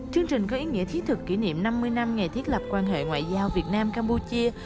chương trình có ý nghĩa thiết thực kỷ niệm năm mươi năm ngày thiết lập quan hệ ngoại giao việt nam campuchia